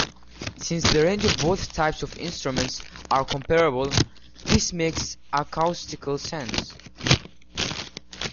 Since the range of both types of instrument are comparable, this makes acoustical sense.